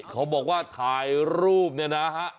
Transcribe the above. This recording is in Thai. เขาบอกว่าถ่ายรูปเนี่ยนะฮะ